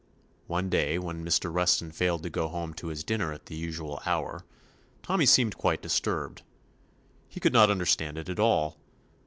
One day when Mr. Weston failed to go home to his dinner at the usual hour, Tommy seemed quite dis turbed. He could not understand it at all.